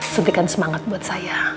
suntikan semangat buat saya